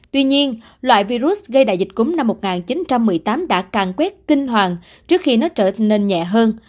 tuy nhiên loại virus gây đại dịch cúng năm một nghìn chín trăm một mươi tám đã càng quét kinh hoàng trước khi nó trở nên nhẹ hơn